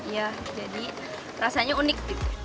iya jadi rasanya unik